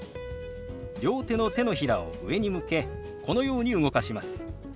両手の手のひらを上に向けこのように動かします。